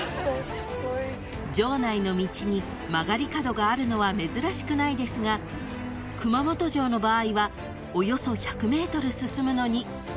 ［城内の道に曲がり角があるのは珍しくないですが熊本城の場合はおよそ１００ｍ進むのに］